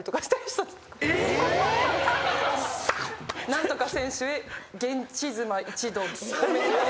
「何とか選手へ現地妻一同」